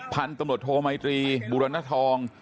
ผันตำรวจโทษมายตรีบุรณฑทอง